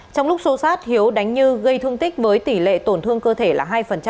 trong lúc xô sát hiếu đánh như gây thương tích với tỷ lệ tổn thương cơ thể là hai